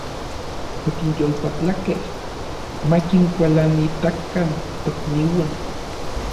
Okinyolpatlakej ma kinkualanitakan tokniuan.